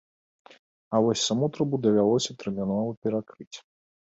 А вось саму трубу давялося тэрмінова перакрыць.